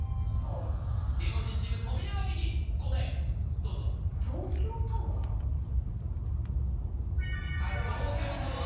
芸能人チーム富永美樹答えをどうぞ東京タワー